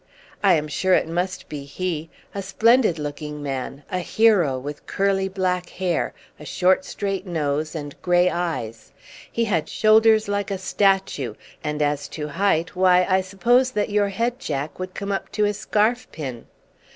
"I am sure it must be he. A splendid looking man a hero, with curly black hair, a short, straight nose, and grey eyes. He had shoulders like a statue, and as to height, why, I suppose that your head, Jack, would come up to his scarf pin."